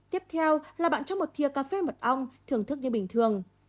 tiếp theo là bạn cho một thia cà phê mật ong thưởng thức như bình thường